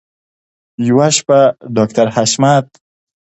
یوه شپه ډاکټر حشمت